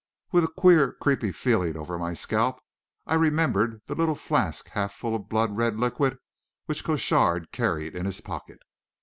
With a queer, creepy feeling over my scalp, I remembered the little flask half full of blood red liquid which Crochard carried in his pocket.